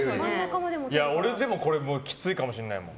俺でもきついかもしれないもん。